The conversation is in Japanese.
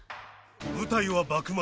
舞台は幕末。